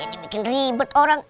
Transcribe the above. ini bikin ribet orang